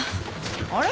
あれ？